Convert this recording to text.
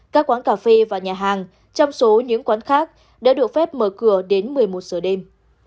các quán cà phê và nhà hàng trong số những quán khác đã được phép mở cửa đến một mươi một giờ đêm